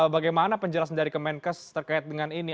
bagaimana penjelasan dari kemenkes terkait dengan ini